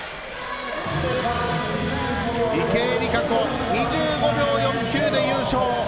池江璃花子２５秒４９で優勝！